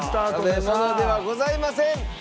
食べ物ではございません！